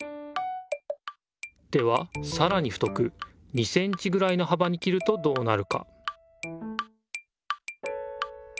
ではさらに太く２センチぐらいのはばに切るとどうなるか？